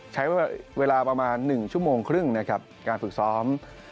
ใช้เวลาประมาณ๑ชั่วโมงครึ่งนะครับการฝึกซ้อม